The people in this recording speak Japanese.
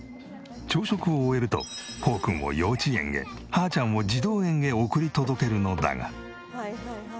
朝食を終えるとホーくんを幼稚園へハーちゃんを児童園へ送り届けるのだが。